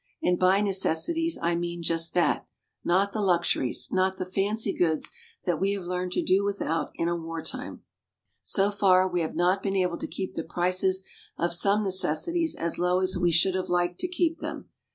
And by necessities I mean just that not the luxuries, not the fancy goods that we have learned to do without in wartime. So far, we have not been able to keep the prices of some necessities as low as we should have liked to keep them.